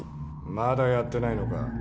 まだやってないのか？